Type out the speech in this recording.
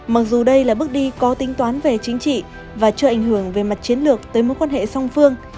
mặc dù đây là bước đi có tính toán về chính trị và chưa ảnh hưởng về mặt chiến lược tới mối quan hệ song phương